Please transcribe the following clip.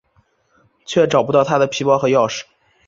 却找不到她的皮包和钥匙。